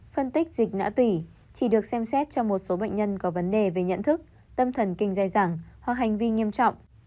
phân tích dịch nã tùy chỉ được xem xét cho một số bệnh nhân có vấn đề về nhận thức tâm thần kinh dài dẳng hoặc hành vi nghiêm trọng